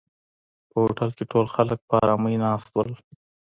په هوټل کې ټول خلک په آرامۍ ناست وو.